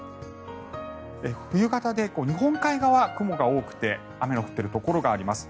冬型で日本海側雲が多くて雨が降っているところが多いです。